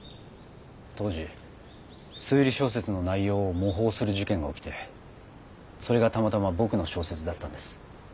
当時推理小説の内容を模倣する事件が起きてそれがたまたま僕の小説だったんです。